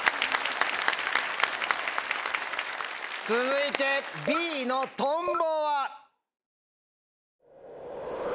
続いてＢのトンボは。